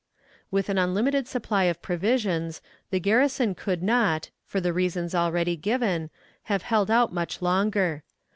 With an unlimited supply of provisions the garrison could not, for the reasons already given, have held out much longer.